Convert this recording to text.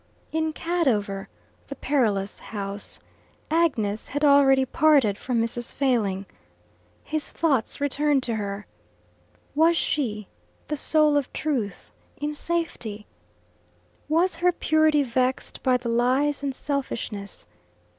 In Cadover, the perilous house, Agnes had already parted from Mrs. Failing. His thoughts returned to her. Was she, the soul of truth, in safety? Was her purity vexed by the lies and selfishness?